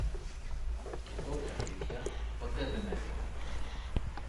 Και τότε αλήθεια ποτέ δε μ' έδιωχνε